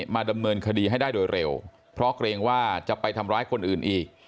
มาดำเนินคดีให้ได้โดยเร็วเพราะเกรงว่าจะไปทำร้ายคนอื่นอีก